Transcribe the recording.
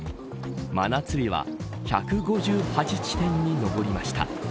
真夏日は１５８地点に上りました。